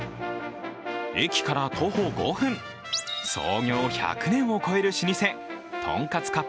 駅から徒歩５分、創業１００年を超える老舗、とんかつ割烹